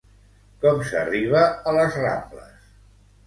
Com s'arriba a les Rambles?